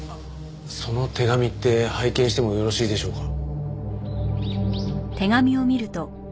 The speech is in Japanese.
その手紙って拝見してもよろしいでしょうか？